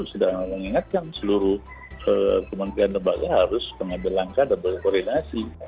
sudah mengingatkan seluruh kementerian lembaga harus mengambil langkah dan berkoordinasi